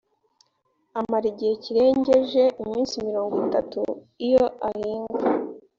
amara igihe kirengeje iminsi mirongo itatu iyo ahinga